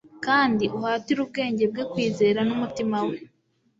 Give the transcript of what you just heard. kandi uhatire ubwenge bwe kwizera n'umutima we